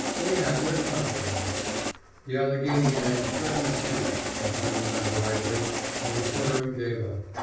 They had their contracts. The Allegheny man threatened suit, if I remember rightly, and the firm gave up.